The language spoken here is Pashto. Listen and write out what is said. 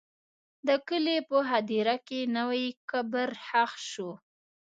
د کلي په هدیره کې نوی قبر ښخ شو.